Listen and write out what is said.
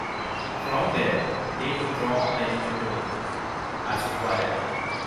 From there, they could draw on the inventory, as required.